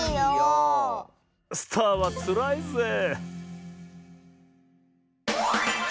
スターはつらいぜえ。